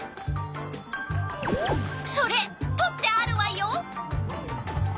それとってあるわよ！